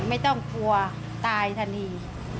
ไม่ต้องกลัวตายทันที